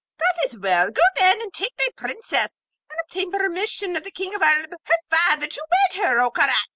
That is well! Go, then, and take thy Princess, and obtain permission of the King of Oolb, her father, to wed her, O Karaz!'